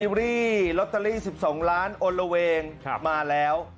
ยี่วีรีหลอตเตอรี่๑๒ล้านอ้อนระเวงมาแล้ว